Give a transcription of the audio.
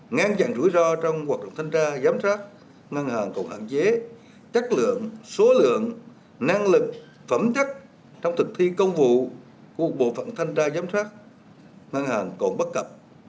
ngăn chặn rủi ro trong hoạt động thanh tra giám sát ngân hàng còn hạn chế chất lượng số lượng năng lực phẩm chất trong thực thi công vụ của bộ phận thanh tra giám sát ngân hàng còn bất cập